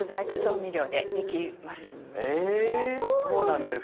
えそうなんですね。